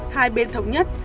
hai bên thống nhất